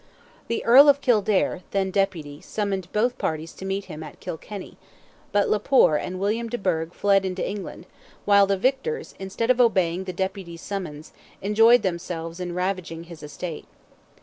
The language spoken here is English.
The Earl of Kildare, then deputy, summoned both parties to meet him at Kilkenny, but le Poer and William de Burgh fled into England, while the victors, instead of obeying the deputy's summons, enjoyed themselves in ravaging his estate.